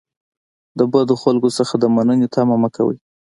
د بدو خلکو څخه د مننې تمه مه کوئ.